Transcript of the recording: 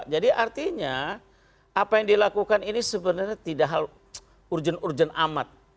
jadi artinya apa yang dilakukan ini sebenarnya tidak hal urgen urgen amat